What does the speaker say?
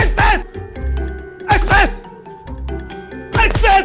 ไอ้เซสไอ้เซสไอ้เซส